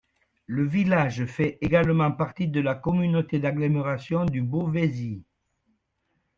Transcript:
Le village fait également partie de la Communauté d'Agglomération du Beauvaisis.